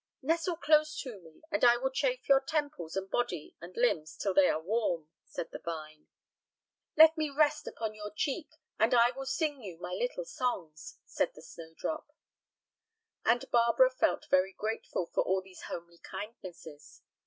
"Nestle close to me, and I will chafe your temples and body and limbs till they are warm," said the vine. "Let me rest upon your cheek, and I will sing you my little songs," said the snowdrop. And Barbara felt very grateful for all these homely kindnesses.